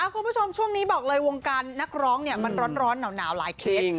คุณผู้ชมช่วงนี้บอกเลยวงการนักร้องมันร้อนหนาวหลายเคส